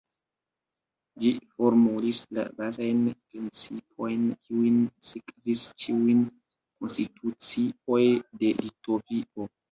Ĝi formulis la bazajn principojn kiujn sekvis ĉiujn konstitucioj de Litovio.